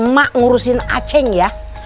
mak ngurusin aceng ya